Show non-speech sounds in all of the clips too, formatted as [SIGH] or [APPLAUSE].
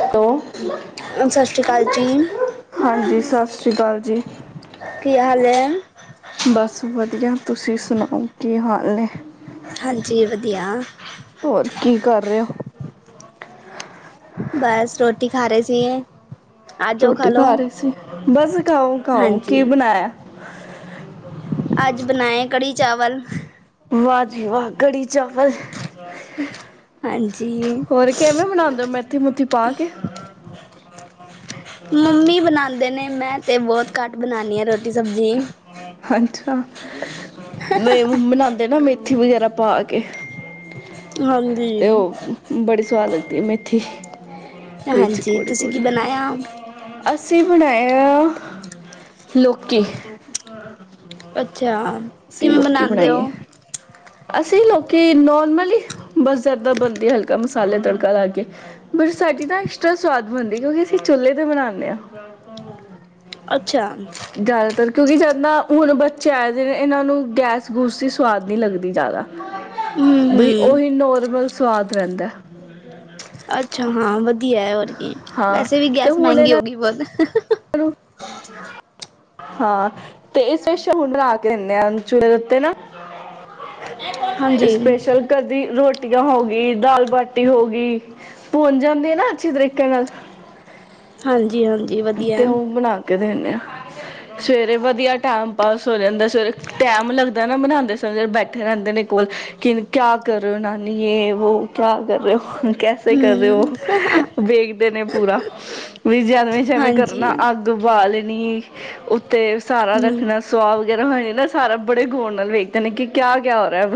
Hello, ਸਤਿ ਸ਼੍ਰੀ ਅਕਾਲ ਜੀ ਹਾਂਜੀ ਸਤਿ ਸ਼੍ਰੀ ਸਤਿ ਸ਼੍ਰੀ ਆਕਾਲ ਜੀ। ਕੀ ਹਾਲ ਐ? ਬਸ ਵਧੀਆ, ਤੁਸੀਂ ਸੁਣਾਓ ਕੀ ਹਾਲ ਏ। ਹਾਂਜੀ ਵਧੀਆ। ਹੋਰ ਕੀ ਕਰ ਰਹੇ ਓ? ਬਸ ਰੋਟੀ ਖਾ ਰਹੇ ਸੀਗੇ। ਰੋਟੀ ਖਾ ਰਹੀ ਸੀ, ਬਸ ਖਾਓ, ਖਾਓ ਹਾਂਜੀ ਕੀ ਬਣਾਇਆ। [INAUDIBLE] ਅੱਜ ਬਣਾਏ ਕੜੀ ਚਾਵਲ। ਵਾਹ ਜੀ ਵਾਹ, ਕੜੀ ਚਾਵਲ। ਹਾਂਜੀ ਹੋਰ, ਕਿਵੇਂ ਬਨਾਉਂਦੇ ਹੋ ਮੈਂ ਮੇਥੀ ਮੂਥੀ ਪਾ ਕੇ। ਮੰਮੀ ਬਣਾਦੇ ਦੇ ਨੇ ਮੈਂ ਤੇ ਬਹੁਤ ਘੱਟ ਬਣਾਨੀ ਆ ਰੋਟੀ ਸਬਜ਼ੀ। ਅੱਛਾ, ਨਹੀਂ ਬਨਾਦੇ ਨਾ ਮੇਥੀ ਵਗੈਰਾ ਪਾ ਕੇ। ਹਾਂਜੀ ਤੇ ਉਹ ਬੜੀ ਸਵਾਦ ਤੇ ਮੇਥੀ ਵਿੱਚ ਹਾਂਜੀ ਕੌੜੀ ਤੁਸੀਂ ਕੀ ਕੌੜੀ ਬਣਾਇਆ? ਅਸੀਂ ਬਣਾਇਆ, ਲੋਕੀ। [UNINTELLIGIBLE] ਅੱਛਾ [UNINTELLIGIBLE] ਕਿਵੇਂ ਬਨਾਦੇ ਹੋ? ਅਸੀਂ ਲੋਕੀ ਨੋਰਮਲ ਹੀ, ਬਸ ਜ਼ਿਆਦਾ ਬਣਦੀ ਹਲਕਾ ਮਸਾਲੇ ਤੜਕਾ ਲਾ ਕੇ। ਬਸ ਸਾਡੀ ਨਾ ਐਕਸਟਰਾ ਸਵਾਦ ਬਣਦੀ ਕਿਉਂਕਿ ਅਸੀਂ ਚੁੱਲੇ ਤੇ ਬਨਾਨੇ ਆ। ਅੱਛਾ ਕਿਉਂਕਿ ਜਦ ਨਾ ਹੁਣ ਬੱਚੇ ਆਏ ਦੇ ਨੇ ਇਹਨਾਂ ਨੂੰ ਗੈਸ ਗੂਸ ਦੀ ਸਵਾਦ ਨਹੀਂ ਲੱਗਦੀ। ਦੀ ਜ਼ਿਆਦਾ ਹਮ ਬਈ ਹਮ ਉਹੀ ਨੋਰਮਲ ਸਵਾਦ [UNINTELLIGIBLE] ਅੱਛਾ ਹਾਂ ਵਧੀਆ ਹੈ ਹੋਰ ਕੀ ਹਾਂ ਵੈਸੇ ਵੀ ਤੇ ਗੈਸ ਹੁਣ ਮਹਿੰਗੀ ਇਹਨਾਂ ਹੋ ਗਈ ਬਹੁਤ ਹਾਂ ਤੇ ਇਸ ਹੁਣ ਬਣਾ ਕੇ ਹਦੇ ਆ ਚੂ ਦੇ ਉੱਤੇ ਨਾ ਹਾਂਜੀ ਸਪੈਸ਼ਲ ਘਰ ਦੀ ਰੋਟੀ ਟੀਆਂ ਹੋ ਗਈ ਦਾਲ ਬਾਟੀ ਹੋ ਗਈ ਭੁੰਨ ਜਾਂਦੀ ਆ ਨਾ ਅੱਛੇ ਤਰੀਕੇ ਨਾਲ ਹਾਂਜੀ ਹਾਂਜੀ ਵਧੀਆ ਤੇ ਹੈ ਉਹ ਬਣਾ ਕੇ ਦੇਿੰਦੇ ਆ ਸਵੇਰੇ ਵਧੀਆ ਟੈਮ ਪਾਸ ਹੋ ਜਾਂਦਾ ਸਵੇਰੇ ਟੈਮ ਲੱਗਦਾ ਨਾ ਬਣਾਉਂਦੇ ਸਮੇਂ ਬੈਠੇ ਰਹਿੰਦੇ ਨੇ ਕੋਲ ਕਿ ਕਿਆ ਕਰ ਰਿਓ ਨਾਨੀ ਇਹ ਵੋ ਕਿਆ ਕਰ ਰਹੇ ਹੋ ਕੈਸੇ ਕਰਦੇ ਉਹ ਹੂੰ, ਵੇ ਕਰਦੇ ਨੇ ਪੂਰਾ ਵੀ ਜੇ ਜਿਵੇਂ ਹਾਂਜੀ। ਕਰਨਾ ਅੱਗ ਬਾਲੇ [UNINTELLIGIBLE] ਤੇ ਸਾਰਾ ਹੂੰ, ਰੱਖਣਾ ਸੁਵਾਗ ਜਰਾ ਹੋ ਨਾ ਸਾਰਾ ਬੜੇ ਗੋਰ ਨਾਲ ਵੇਖਦੇ ਨੇ ਕਿ ਕਿਆ ਕਿਆ ਹੋ ਰਿਹਾ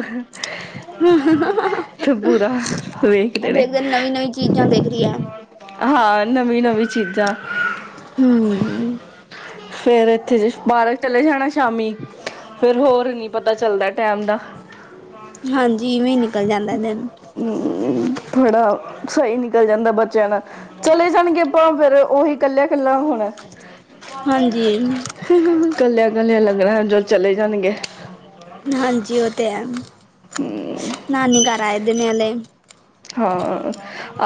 ਤੇ ਪੂਰਾ ਹਮ ਵੇਖਦੇ ਨੇ ਦੇਖ ਰਹੀ ਹੈ। ਹਾਂ ਨਵੀਂ ਨਵੀਂ ਚੀਜ਼ਾਂ ਹੂੰ, ਫੇਰ ਇੱਥੇ ਜੇ ਪਾਰਕ ਚਲੇ ਜਾਣਾ ਸ਼ਾਮੀ ਫੇਰ ਹੋਰ ਨੀ ਪਤਾ ਚੱਲਦਾ ਟੈਮ ਦਾ ਹਾਂਜੀ ਇਵੇਂ ਨਿਕਲ ਜਾਂਦਾ ਦਿਨ। ਥੋੜਾ ਸਹੀ ਨਿਕਲ ਜਾਂਦਾ ਬੱਚਿਆਂ ਨਾਲ ਚਲੇ ਜਾਣਗੇ ਆਪਾਂ ਫੇਰ ਉਹੀ ਕੱਲਿਆ ਇਕੱਲਾ ਹੁਣ। ਹਾਂਜੀ, ਕੱਲਿਆ ਕੱਲਿਆ ਲੱਗ ਰਹਣ ਜੋ ਚਲੇ ਜਾਣਗੇ। ਹਾਂਜੀ ਉਹ ਤੇ ਐ। ਨਾਨੀ ਗੱਲ [UNINTELLIGIBLE] ਹਾਂ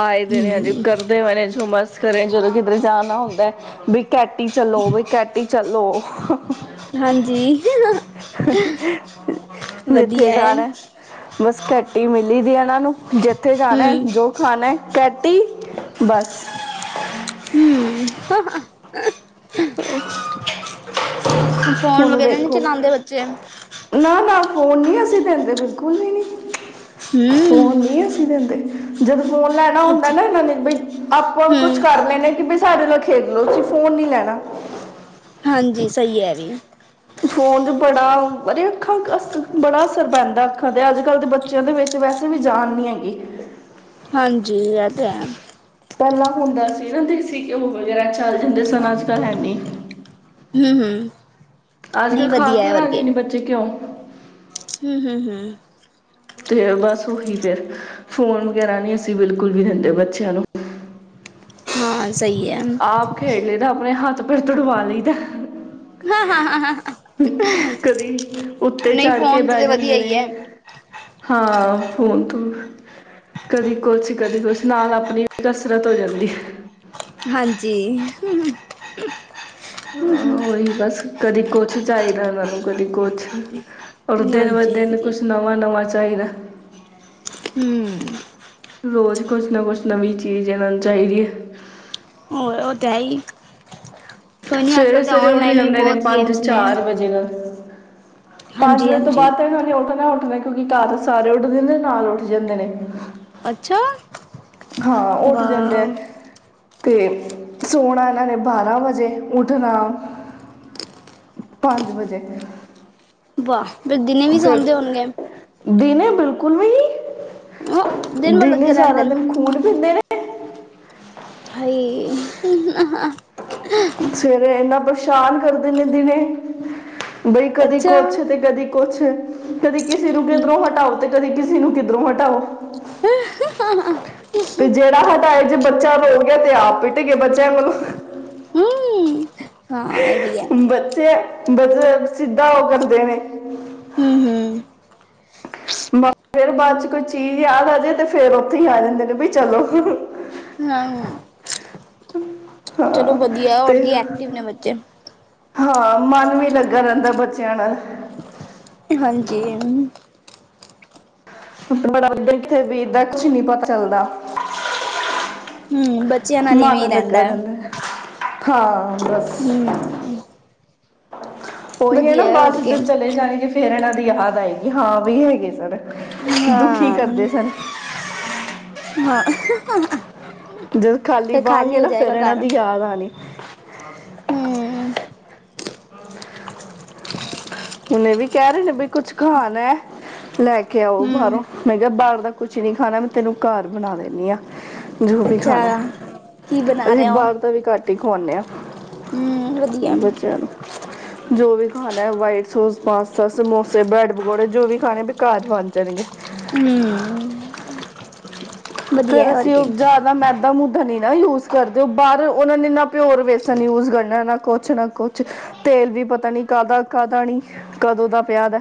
ਆਏ ਦੇਨੇ ਹਜੇ ਹੂੰ, ਕਰਦੇ ਹੋਏ ਨੇ [UNINTELLIGIBLE] ਕਰੇ ਜਦੋਂ ਕਿਧਰ ਜਾਣਾ ਹੁੰਦਾ ਵੀ ਕੈਟੀ ਚਲੋਵੇ ਕੈਟਿ ਚਲੋ ਹਾਂਜੀ ਜਿੱਥੇ ਵਧੀਆ ਹੈ। ਜਾਣਾ ਬਸ ਕੈਟੀ ਮਿਲੀ ਦੀ ਇਹਨਾਂ ਨੂੰ ਜ ਕਿੱਥੇ ਜਾਣਾ ਹੂੰ, ਜੋ ਖਾਣਾ ਕੈਟ ਤੀਹ ਬਸ। ਹੂ, ਹ, ਹ, ਹ [INAUDIBLE] ਫੋਨ ਹੁਣ ਵਗੈਰਾ ਨਹੀ ਵੇਖੋ ਚਲਾਉਂਦੇ ਬੱਚੇ? ਨਾ ਨਾ ਫੋਨ ਨੀ ਅਸੀਂ ਦਿੰਦੇ ਬਿਲਕੁਲ ਵੀ ਨੀ। ਹੂੰ, ਫੋਣ ਨੀ ਅਸੀਂ ਦਿੰਦੇ। ਜਦੋਂ ਫੋਨ ਲੈਣਾ ਹੁੰਦਾ ਅੱਛਾ। ਨਾ ਇਹ ਨੇ ਬਈ ਆਪਾਂ ਕੁੱਛ ਹੂੰ, ਕਰ ਲੈਣੇ ਕਿ ਬ ਸਾਡੇ ਨਾਲ ਖੇਡ ਲਓ ਤੁਸੀ ਫੋਨ ਨਹੀਂ ਲੈਣਾ। ਹਾਂਜੀ ਸਹੀ ਹੈ ਵੀ। ਫੋਨ ਫੜਾ ਬੜੀ ਅੱਖਾਂ ਅਸ ਬੜਾ ਅਸਰ ਪੈਂਦਾ ਅੱਖਾਂ ਤੇ ਅੱਜ ਕੱਲ੍ਹ ਦੇ ਬੱਚਿਆਂ ਦੇ ਵਿੱਚ ਵੈਸੇ ਵੀ ਜਾਨ ਨੀ ਹੈਗੀ। ਹਾਂਜੀ ਇਹ ਤੇ ਹੈ। ਕਰਨਾ ਹੁੰਦਾ ਸੀ ਨਾ ਦੇਸੀ ਘਿਓ ਵਗੈਰਾ ਚੱਲ ਜਾਂਦੇ ਸਨ ਅੱਜ ਕੱਲ ਹੈਨੀ। ਹੂ ਹੂ ਅੱਜ ਖਾਕੇ ਰਾਜੇ ਨਹੀ, ਬੱਚੇ ਘਉਂ। ਹੂ ਹੂ ਹੂ ਤੇ ਬਸ ਉਹੀ ਫੇਰ ਫੋਨ ਵਗੈਰਾ ਨਹੀਂ ਅਸੀਂ ਬਿਲਕੁਲ ਵੀ ਦਿੰਦੇ ਬੱਚਿਆਂ ਨੂੰ। ਹਾਂ ਆਪ ਖੇਡ ਲਈ ਤਾਂ ਆਪਣੇ ਹੱਥ ਫਿਰ ਤੁੜਵਾ ਲਈ ਦਾ। ਹਾਂ ਸਹੀ ਹੈ। ਕਦੇ ਉੱਤੇ ਨਹੀਂ ਚਾੜ ਕੇ ਫੋਨ ਬਹਿ ਤੇ ਵਧੀਆ ਜਾਂਦੇ ਹੀ ਹੈ। ਨੇ, ਹਾਂ। ਫੋਨ ਤੂੰ ਕਦੀ ਕੁਛ ਕਦੀ ਕੁਛ ਨਾਲ ਆਪਣੀ ਕਸਰਤ ਹੋ ਜਾਂਦੀ ਐ ਹਾਂਜੀ ਹਾਂ ਉਹੀ ਬਸ ਕਦੀ ਕੁਛ ਜੋ ਚਾਹੀਦਾ ਇਹਨਾਂ ਨੂੰ ਕਦੀ ਕੁਛ ਔਰ ਦਿਨ ਬ ਹਾਂਜੀ ਦਿਨ ਹਾਂਜੀ ਕੁਛ ਨਵਾਂ ਨਵਾਂ [UNINTELLIGIBLE] [INAUDIBLE] ਰੋਜ਼ ਕੁਛ ਨਾ ਕੁਛ ਨਵੀਂ ਚੀਜ਼ ਏਨਾਨੂ ਚਾਹੀਦੀ ਹੈ ਹੋਰ ਉਹ ਤੇ ਹੈ ਹੀ ਕੋਈ ਨਹੀਂ ਅੱਜ ਸਵੇਰੇ ਕੱਲ੍ਹ ਤਾਂ ਸਵੇਰੇ ਉੱਠ ਔਨਲਾਈਨ ਵੀ ਜਾਂਦੇ ਨੇ ਬਹੁਤ ਪੰਜ ਗੇਮਸ ਨੇ ਚਾਰ ਵਜੇ ਨਾਲ ਪੰਜ ਹਾਂਜੀ ਵਜੇ ਤੋਂ ਹਾਂਜੀ ਬਾਦ ਤੇ ਐਨਾਨੇ ਉਠਨਾ ਕਿਉਂਕਿ ਘਰ ਸਾਰੇ ਉੱਠਦੇ ਨੇ, ਨਾਲ ਉੱਠ ਜਾਂਦੇ ਨੇ ਅੱਛਾ ਹਾਂ ਉੱਠ ਵਾ ਜਾਂਦੇ ਐ ਤੇ ਸੋਣਾ ਇਹਨਾਂ ਨੇ ਬਾਰਾਂ ਵਜੇ ਉੱਠਣਾ ਪੰਜ ਵਜੇ ਵਾਹ ਫਿਰ ਦਿਨੇ ਵੀ ਫਿਰ ਸੌਂਦੇ ਹੋਣਗੇ ਦਿਨੇ ਬਿਲਕੁਲ [UNINTELLIGIBLE] ਭਰ ਦਿਨ ਲੱਗੇ ਰਹਿੰਦੇ ਸਾਰਾ ਨੇ ਦਿਨ ਖੂਨ ਪੀਂਦੇ ਨੇ [INAUDIBLE] ਹਏ। ਸਵੇਰੇ ਇਨਾ ਪਰੇਸ਼ਾਨ ਕਰਦੇ ਨੇ ਦਿਨੇ ਬਈ ਕਦੀ ਅੱਛਾ ਕੁਛ ਤੇ ਕਦੀ ਕੁਛ ਕਦੀ ਕਿਸੇ ਨੂੰੁਕੇ ਦਰੋਹ ਹਟਾਓ ਤੇ ਕਦੇ ਕਿਸੇ ਨੂੰ ਕਿੱਧਰੋਂ ਹਟਾਓ [INAUDIBLE] ਤੇ ਜਿਹੜਾ ਹਟਾਏ ਜੇ ਬੱਚਾ ਰੋ ਗਿਆ ਤੇ ਆਪ ਪਿੱਟ ਗੇ ਬੱਚਿਆਂ ਕੋਲੋਂ ਹੂੰ ਹਾਂ ਇਹ ਵੀ ਹੈ ਬੱਚੇ ਬੱਚੇ ਸਿੱਧਾ ਉਹ ਕਰਦੇ ਨੇ ਹਮ ਹਮ ਫੇਰ ਬਾਅਦ ਚ ਕੋਈ ਚੀਜ਼ ਯਾਦ ਆ ਜਾੇ ਤੇ ਫੇਰ ਉੱਥੇ ਹੀ ਆ ਜਾਂਦੇ ਨੇ ਬਈ ਚਲੋ ਹ ਚਲੋ ਹਾਂ ਵਧੀਆ ਤੇ ਹੋਔਰ ਕੀ ਐਕਟਿਵ ਨੇ ਬੱਚੇ ਹਾਂ ਮਨ ਵੀ ਲੱਗਾ ਰਹਿੰਦਾ ਬੱਚਿਆਂ ਨਾਲ ਹਾਂਜੀ ਬੜਾ ਵਧ ਕਿਥੇ ਬਰਦਾ ਤੁਸੀ ਨੀ ਪਤਾ ਚੱਲਦਾ ਹੂੰ ਬੱਚਿਆਂ ਨਾਲ ਇਵੇਂ ਹੀ ਮਨ ਲੱਗਾ ਰਹਿੰਦਾ ਹਾਂ ਬਸ ਹਮ। ਉਹੀ ਹੈ ਨਾ, ਬਾਅਦ ਕੀ ਹਾਂ। ਜਦ ਚਲੇ ਜਾਣੇਗੇ ਫੇਰ ਇਹਨਾਂ ਯਾਦ ਆਏਗੀ, ਹਾਂ ਵੀ ਹੈਗੇ ਸਰ। ਦੁਖੀ ਕਰਦੇ ਸਨ। ਹਾਂ। ਜਦੋਂ ਖਾਲੀ ਫਿਰ ਬਹਾਗੇਂ ਹੋ ਨਾ, ਫੇਰ ਇਹਨਾਂ ਦੀ ਯਾਦ ਆਣੀ [UNINTELLIGIBLE] ਹਮ। ਹੁਣ ਇਹ ਵੀ ਕਹਿ ਰਹੇ ਨੇ ਬਈ ਕੁਛ ਖਾਣਾ, ਲੈ ਕੇ ਆਓ ਹੂੰ, ਬਾਹਰੋਂ, ਮੈਂ ਕਿਹਾ ਬਾਹਰ ਦਾ ਕੁਛ ਨੀ ਖਾਣਾ, ਮੈਂ ਤੈਨੂੰ ਘਰ ਬਣਾ ਦਿੰਦੀ ਆਾਂ। ਜੋ ਵੀ ਅੱਛਾ। ਖਾਣਾ, ਅਸੀਂ ਬਾਹਰ ਦਾ ਵੀ ਘੱਟ ਦੇਖਵਾਉਣੇ ਆ। ਹਮ ਵਧੀਆ। ਬੱਚਿਆਂ ਨੂੰ ਜੋ ਵੀ ਖਾਣਾ ਵਾਈਟ ਸੌਸ, ਪਾਸਤਾ, ਸਮੋਸੇ, ਬਰੈਡ ਪਕੌੜੇ, ਜੋ ਵੀ ਖਾਣੇ ਵੀ ਘਰ ਬਣ ਜਾਣਗੇ। ਹਮ ਫੇਰ ਅਸੀਂ ਉਹ ਜ਼ਿਆਦਾ ਮੈਦਾ ਮੂਦਾ ਨਾ ਯੂਜ ਕਰਦੇਓ, ਬਾਹਰ ਉਹਨਾ ਨੇ ਨਾ ਪਿਓਰ ਵੇਸਨ ਯੂਜ ਕਰਨਾ, ਨਾ ਕੁਛ ਨਾ ਕੁਛ ਤੇਲ ਵੀ ਪਤਾ ਨੀ ਕਾਹਦਾ ਕਾਹਦਾ ਨੀ, ਕਦੋਂ ਦਾ ਪਿਆ ਦਾ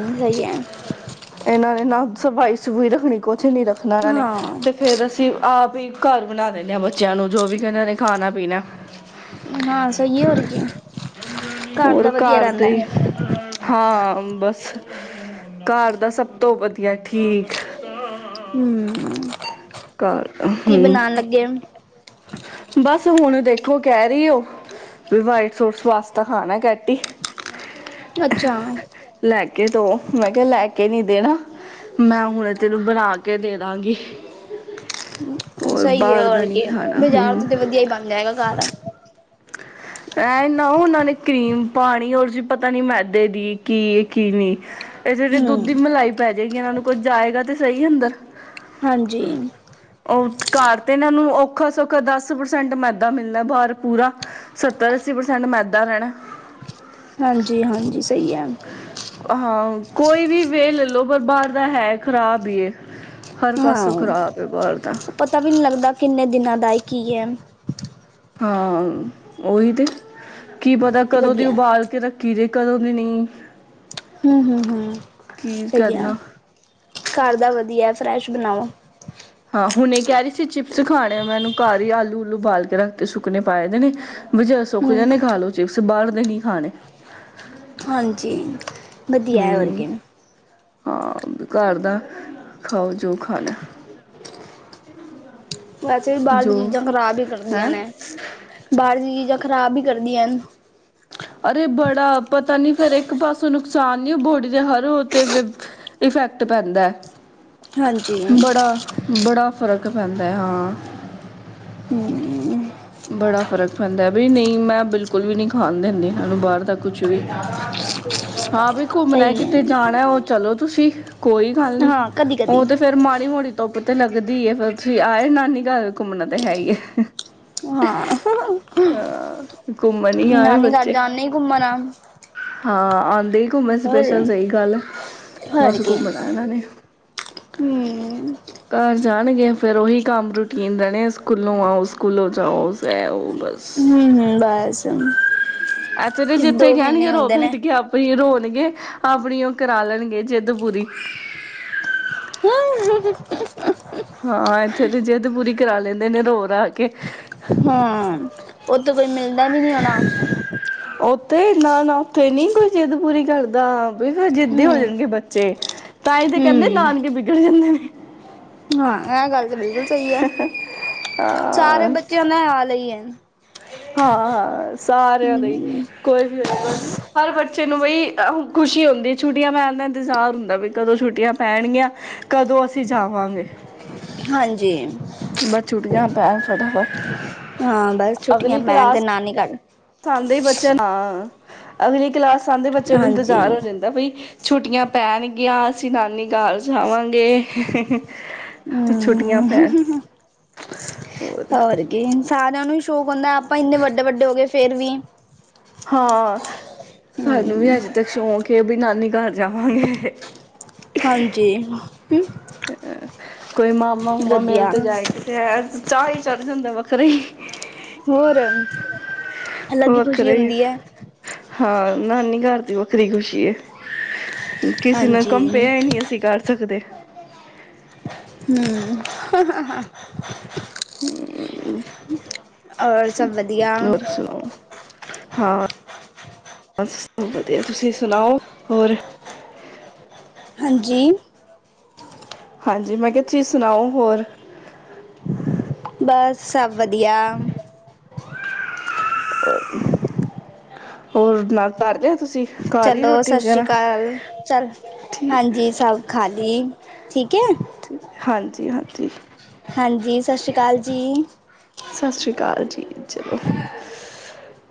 ਜ਼ਈ ਐ । [INAUDIBLE] [UNINTELLIGIBLE] ਇਹਨਾਂ ਨੇ ਨਾ ਸਫਾਈ-ਸਫੂਈ ਰੱਖਣੀ, ਕੁਛ ਨੀ ਰੱਖਣੀ ਨਾਰਾ ਨੇ ਹਾਂ, ਅਤੇ ਫਿਰ ਅਸੀਂ ਆਪਈ ਘਰ ਬਣਾ ਦੇਣੇ ਆਂ ਬੱਚਿਆਂ ਨੂੰ, ਜੋ ਵੀ ਇਹਨਾਂ ਨੇ ਖਾਣਾ ਪੀਣਾ ਹਾਂ, ਸਹੀ ਹੋ ਰਹੀ ਐ, ਘਰ ਦਾ ਹੋਰ ਵਧੀਆ ਰਹਿੰਦਾ। ਦੇ ਹੀ ਹਾਂ, ਬਸ ਘਰ ਦਾ ਸਭ ਤੋਂ ਵਧੀਆ, ਠੀਕ। ਹਮ ਘਰ ਹਮ। ਲੱਗੇ? ਬਸ ਹੁਣ ਦੇਖੋ, ਕਹਿ ਰਹੀ ਹੋ, ਵੀ ਵਾਈਟ ਸੋਸ ਪਾਸਤਾ ਖਾਣਾ ਕੈਤੀ। ਅੱਛਾ। ਲੈ ਕੇ ਦੋ, ਮੈਂ ਕਿਹਾ, ਲੈ ਕੇ ਨੀ ਦੇਣਾ, ਮੈਂ ਹੁਣ ਤੈਨੂੰ ਬਣਾ ਕੇ ਦੇ ਦਾਂਗੀ। ਹੋਰ ਸਹੀ ਹੈ ਬਾਹਰ ਹੋਰ ਦਾ ਨਹੀਂ ਕਿ, ਖਾਣਾ ਬਾਜ਼ਾਰ ਹਮ ਤੋਂ ਤਾਂ ਵਧੀਆ ਹੀ ਬਣਦਾ ਹੈਗਾ ਘਰ। ਐ ਨਾ ਉਹਨਾਂ ਨੇ ਕਰੀਮ ਪਾਣੀ ਰ ਜ ਪਤਾ ਨੀ ਮੈਦੇ ਦੀ ਕੀ, ਕੀ ਨਹੀਂ। ਇਹ ਜਿਹੜੇ ਦੁੱਧ ਹੂੰ। ਦੀ ਮਲਾਈ ਪੈ ਜਾਏ ਜਿ ਇਹਨਾਂ ਨੂੰ ਕੁਝ ਜਾਏਗਾ ਤੇ ਸਹੀ ਅੰਦਰ । ਹਾਂਜੀ। ਉਹ ਘਰ ਤੇ ਇਹਨਾਂ ਨੂੰ ਔਖਾ-ਸੌਖਾ ਦਸ ਪ੍ਰਸੈਂਟ ਮੈਦਾ ਮਿਲਦਾ, ਬਾਹਰ ਪੂਰਾ ਸੱਤਰ ਅੱਸੀ ਪ੍ਰਸੈਂਟ ਮੈਦਾ ਰਹਿਣਾ। ਹਾਂਜੀ ਹਾਂਜੀ, ਸਹੀ ਹੈ। ਹਾਂ ਕੋਈ ਵੀ ਵੇ ਲੈਲੋ ਪਰ ਬਾਹਰ ਦਾ ਹੈ। ਖ਼ਰਾਬ ਹੀ ਹੈ। ਹਰ ਪਾਸੋਂ ਖ਼ਰਾਬ। ਬਾਹਰ ਦਾ ਉਹ ਪਤਾ ਵੀ ਨਹੀਂੀ ਲੱਗਦਾ ਕਿੰਨੇ ਦਿਨ ਕਿਨਾਂ ਦਾਾਇਕੀ ਹੈ। ਹਾਂ ਉਹ ਹੀ ਤੇ ਕੀ ਪਤਾ ਕਦੋਂ ਦੀ ਵਧੀਆ। ਉਬਾਲ ਕੇ ਰੱਖੀ ਦੇ ਕਦੋਂ ਦੀ ਨਹੀਂ ਹਮ, ਹਮ, ਹਮ ਕੀ ਸਹੀ ਹੈ। ਕਰਨਾ ਘਰ ਦਾ ਵਧੀਆ ਫਰੈਸ਼ ਬਣਾਓ ਹਾਂ ਹੁਣੇ ਇਹ ਕਹਿ ਰਹੀ ਸੀ ਚਿਪਸ ਖਾਣੇ ਆ। ਮੈਂ ਇਹਨੂੰ ਘਰ ਹੀ ਆਲੂ ਉਲੂ ਬਾਲ ਕੇ ਰੱਖਦੇ ਸੁੱਕਣੇ ਪਾਏ ਦੇਣੇ ਬਜ ਸੁੱਕ ਹੂੰ ਜਾਂਦੇ ਖਾ ਲਓ ਚਿਪਸ ਬਾਹਰ ਦੇ ਨੀ ਖਾਣੇ। ਹਾਂਜੀ। ਵਧੀਆ ਹੈ ਹੋਰ ਹੂੰ ਕਿ। ਹਾਂ ਘਰ ਦਾ ਖਾਓ ਜੋ ਖਾਣਾ ਵੈਸੇ ਵੀ ਬਾਹਰ ਦੀ ਜੋ ਚੀਜ਼ਾਂ ਖ਼ਰਾਬ ਹੀ ਕਰਦੀਆਂ ਹੈਂ ਨੇ ਬਾਹਰ ਦੀ ਚੀਜ਼ਾਂ ਖਰਾਬ ਹੀ ਕਰਦੀਆਂ ਹਨ ਅਰੇ ਬੜਾ। ਪਤਾ ਨੀ ਫੇਿਰ ਇੱਕ ਪਾਸੋਂ ਨੁਕਸਾਨ ਨ ਬੋਡੀ ਦੇ ਹਰ ਤੇ ਇਫੈਕਟ ਪੈਂਦਾ ਹੈ। ਹਾਂਜੀ। ਬੜਾ ਬੜਾ। ਫ਼ਰਕ ਪੈਂਦਾ ਹਾਂ। ਹੂੰ, ਬੜਾ ਫ਼ਰਕ ਪੈਂਦਾ ਬੀ ਨਹੀਂ ਮੈਂ ਬਿਲਕੁਲ ਵੀ ਨਹੀਂ ਖਾਣ ਦਿੰਦੀ ਇਹਨਾਂ ਨੂੰ ਬਾਹਰ ਦਾ ਕੁਛ ਵੀ। ਹਾਂ ਬਈ ਘੁੰਮਣਾ ਸਹੀ ਕਿਤੇ ਹੈ ਜਾਣਾ ਉਹ ਚਲੋ ਤੁਸੀਂ, ਕੋਈ ਗੱਲ ਨੀ ਹਾਂ ਕਦੀ-ਕਦੀ ਉਹ ਤੇ ਫੇਰ ਮਾੜੀ ਮੋਟੀ ਧੁੱਪ ਤੇ ਲੱਗਦੀ ਏ ਫਿਰ ਤੁਸੀਂ ਆਏ ਨਾਨੀ ਘਰ ਘੁੰਮਣਾ ਤੇ ਹੈ ਈ ਏ। ਹਾਂ, ਘੁੰਮਣ ਹੀ ਆਏ ਨਾਨੀ ਘਰ ਬੱਚੇ ਜਾਂਨੇ ਈ ਘੁੰਮਣ ਆ। ਆਂਦੇ ਈ ਘੁੰਮਣ ਹੋਰ ਸਪੈਸ਼ਲ ਸਹੀ ਗੱਲ ਏ, ਹੋਰ ਬਸ ਕੀ ਘੁੰਮਣਾ ਇਹਨਾਂ ਨੇ। ਹੂੰ ਘਰ ਜਾਣ ਗੇ ਫੇਰ ਉਹੀ ਕੰਮ ਰੂਟੀਨ ਰਹਿਣੇ ਆ ਸਕੂਲੋਂ ਆਓ ਸਕੂਲੋਂ ਜਾ ਸੌਸ ਹੈ ਉਹ। ਬਸ, ਹੂੰ ਹੂੰ ਬਸ ਇਸ ਐਥੇ ਤੇ ਜਿੱਥੇ ਦੋ ਮਹੀਨੇ ਕਹਿਣਗੇ ਹੀ ਰੋ ਹੁੰਦੇ ਨੇ ਬੈਠ ਕੇ ਆਪਣੀ ਰੋ ਗੇ ਆਪਣੀ ਉਹ ਕਰਾ ਲੈਣਗੇ ਜਿੱਦ ਪੂਰੀ। [UNINTELLIGIBLE] ਹਾਂ ਇੱਥੇ ਤੇ ਜਿੱਦ ਪੂਰੀ ਕਰਾ ਲੈਂਦੇ ਨੇ ਰੋ-ਰਾ ਕੇ। ਹਾਂ ਉਥੇ ਕੋਈ ਮਿਲਦਾ ਵੀ ਨਹੀਂ ਹੋਣਾ। ਤੇ ਨਾ ਨਾ ਉਥੇ ਨੀ ਕੋਈ ਜਿੱਦ ਪੂਰੀ ਕਰਦਾ। ਬਈ ਫਿਰ ਜਿੱਦੀ ਹੂੰ ਹੋ ਜਾਣਗੇ ਬੱਚੇ। [UNINTELLIGIBLE] ਤਾਂਈ ਤੇ ਕਹਿੰਦੇ ਹੂੰ ਨਾਨਕੇ ਵਿਗੜ ਜਾਂਦੇ ਨੇ। ਹਾਂ ਇਹ ਗੱਲ ਤਾਂ ਬਿਲਕੁਲ ਸਹੀ ਹੈ। ਹਾਂ ਸਾਰੇ ਬੱਚਿਆਂ ਦਾ ਹਾਲ ਇਹੀ ਐ। [UNINTELLIGIBLE] ਹਾਂ ਹਾਂ ਸਾਰਿਆਂ ਲਈ, ਹੂੰ ਕੋਈ ਵੀ ਹੋਜੇ ਬਸ ਹਰ ਬੱਚੇ ਨੂੰ ਬਈ ਖੁਸ਼ੀ ਹੁੰਦੀ ਛੁੱਟੀਆਂ ਪੈਣ ਦਾ ਇੰਤਜ਼ਾਰ ਹੁੰਦਾ ਬਈ ਕਦੋਂ ਛੁੱਟੀਆਂ ਪੈਣਗੀਆਂ, ਕਦੋਂ ਅਸੀਂ ਜਾਵਾਂਗੇ। ਹਾਂਜੀ। ਬਸ ਛੁੱਟੀਆਂ ਪੈਣ [INAUDIBLE] ਹਾਂ ਬਸ ਛੁੱਟੀਆਂ ਪੈਣ ਤੇ ਨਾਨੀ ਘਰ। ਪਸੰਦ ਹੀ ਬੱਚੇ [UNINTELLIGIBLE] ਅਗਲੀ ਕਲਾਸ ਸਾਨੂੰ ਤੇ ਬੱਚੇ ਨੂੰ ਹਾਂਜੀ ਇੰਤਜ਼ਾਰ ਹੋ ਜਾਂਦਾ ਬਈ ਛੁੱਟੀਆਂ ਪੈਣਗੀਆਂ ਅਸੀਂ ਨਾਨੀ ਘਰ ਜਾਵਾਂਗੇ। ਛੁੱਟੀਆਂ ਹੂੰ ਪੈਣ [INAUDIBLE] ਹੋਰ ਕੀ ਸਾਰਿਆਂ ਨੂੰ ਹੀ ਸ਼ੌਂਕ ਹੁੰਦਾ ਆਪਾਂ ਇੰਨੇ ਵੱਡੇ-ਵੱਡੇ ਹੋ ਗਏ ਫਿਰ ਵੀ ਹਾਂ ਸਾਨੂੰ ਵੀ ਹੂੰ ਅੱਜੇ ਤੱਕ ਸ਼ੌਂਕ ਏ ਬਈ ਨਾਨੀ ਘਰ ਜਾਵਾਂਗੇ ਹਾਂਜੀ ਕੋਈ ਮਾਮਾ ਮੁਮਾ ਮਿਲ ਵਧੀਆ ਤਾਂ ਜਾਏ ਚਾਹ ਹੀ ਚੜ ਜਾਂਦਾ ਵੱਖਰਾ ਈ ਹੋਰ ਅਲੱਗ ਹੀ ਖ਼ੁਸ਼ੀ ਹੁੰਦੀ ਹੈ। ਹਾਂ ਨਾਨੀ ਘਰ ਦੀ ਵੱਖਰੀ ਖ਼ੁਸ਼ੀ ਏ ਕਿਸੇ ਨਾਲ ਹਾਂਜੀ ਕੰਪੇਅਰ ਨਹੀਂ ਅਸੀਂ ਕਰ ਸਕਦੇ। ਹਮ [INAUDIBLE] [INAUDIBLE] ਔਰ ਸਭ ਵਧੀਆ ਹੋਰ ਸੁਣਾਓ ਹਾਂ ਬੱਸ ਸਭ ਵਧੀਆ ਤੁਸੀਂ ਸੁਣਾਓ ਹੋਰ ਹਾਂਜੀ ਹਾਂਜੀ ਮੈਂ ਕਿਹਾ ਤੁਸੀਂ ਸੁਣਾਓ ਹੋਰ ਬਸ ਸਭ ਵਧੀਆ [INAUDIBLE] ਹੋਰ [UNINTELLIGIBLE] ਤੁਸੀਂ ਖਾ ਲਈ ਚਲੋ ਰੋਟੀ ਸਤ ਸ੍ਰੀ ਵਗੈਰਾ ਅਕਾਲ ਚੱਲ ਠੀਕ ਹੈ ਹਾਂਜੀ ਸਭ ਖਾਲੀ ਠੀਕ ਹੈ ਹਥੀ ਹਾਂਜੀ ਸਤਿ ਸ਼੍ਰੀ ਅਕਾਲ ਜੀ ਠੀਕ ਚਲੋ [UNINTELLIGIBLE]